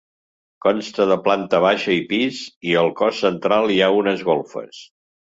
Consta de planta baixa i pis i al cos central hi ha unes golfes.